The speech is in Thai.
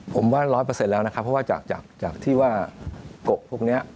ผมว่าร้อยเปอร์เซ็นต์แล้วนะครับเพราะว่าจากที่ว่ากกพวกนี้